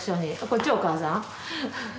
・こっちお母さん